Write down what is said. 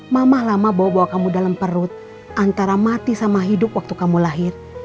mamah lama bawa kamu dalam perut antara mati sama hidup waktu kamu lahir